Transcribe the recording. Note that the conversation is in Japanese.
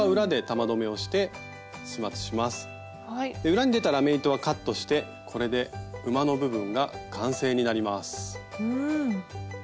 裏に出たラメ糸はカットしてこれで馬の部分が完成になります。